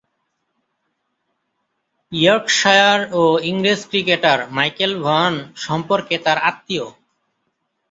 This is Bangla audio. ইয়র্কশায়ার ও ইংরেজ ক্রিকেটার মাইকেল ভন সম্পর্কে তার আত্মীয়।